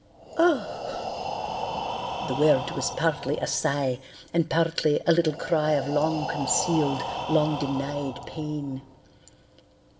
"Oh!" The word was partly a sigh and partly a little cry of long concealed, long denied pain.